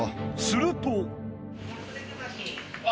すると。